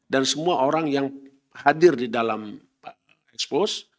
dan semua orang yang hadir di dalam expos